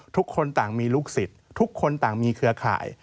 ทุกคนต่างมีลูกศิษย์ทุกคนต่างมีเครือข่าย